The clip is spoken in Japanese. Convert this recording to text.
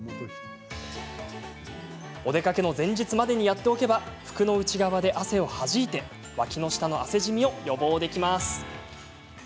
お出かけの前日までにやっておけば服の内側で汗をはじいてわきの下の汗じみを予防できます。